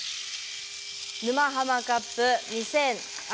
「沼ハマカップ２０２２」。